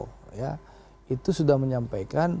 ketua harian sudah menyampaikan